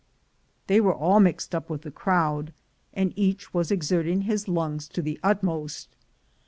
They were all mixed up with the crowd, and each was exerting his lungs to the utmost.